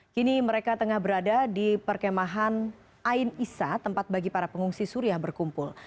kini mereka tengah berada di perkemahan ain isya tempat bagi para pengungsi suriah berkumpul